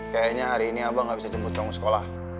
kayaknya hari ini abang gak bisa jemput dong ke sekolah